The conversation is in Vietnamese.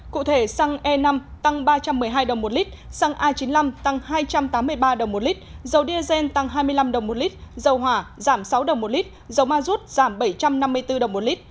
cụ thể xăng e năm tăng ba trăm một mươi hai đồng một lít xăng a chín mươi năm tăng hai trăm tám mươi ba đồng một lít dầu diesel tăng hai mươi năm đồng một lít dầu hỏa giảm sáu đồng một lít dầu ma rút giảm bảy trăm năm mươi bốn đồng một lít